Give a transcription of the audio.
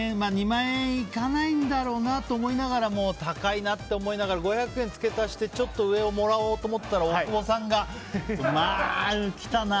２万円いかないだろうなと思いながらも高いなって思いながら５００円付け足してちょっと上をもらおうと思ったら大久保さんがきたな。